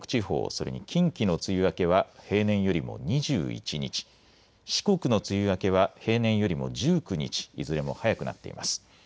それに近畿の梅雨明けは平年よりも２１日四国の梅雨明けは平年よりも１９日いずれも早くなっています。